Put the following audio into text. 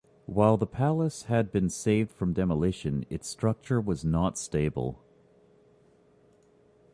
While the Palace had been saved from demolition, its structure was not stable.